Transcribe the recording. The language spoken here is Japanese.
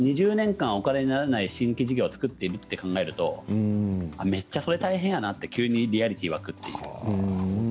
２０年間お金にならない新規事業を作っていると考えるとめっちゃそれは大変だなと急にリアリティーが湧く。